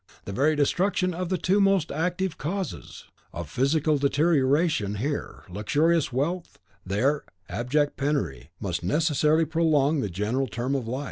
The very destruction of the two most active causes of physical deterioration here, luxurious wealth; there, abject penury, must necessarily prolong the general term of life.